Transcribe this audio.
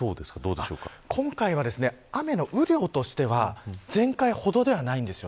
今回は雨の雨量としては前回ほどではないんです。